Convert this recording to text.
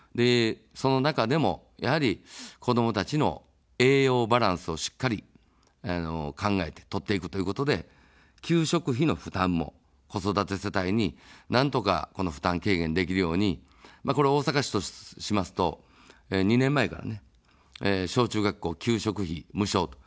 その中でも、やはり子どもたちの栄養バランスをしっかり考えて、摂っていくということで、給食費の負担も子育て世帯になんとか負担軽減できるように、これは大阪市としますと２年前から、小中学校、給食費無償と。